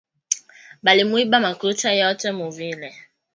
Balimwiba makuta yote mu ville